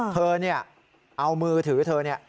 เธอเอามือถือเธอ